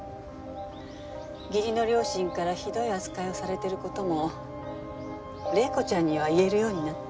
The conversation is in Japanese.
義理の両親からひどい扱いをされてる事も玲子ちゃんには言えるようになって。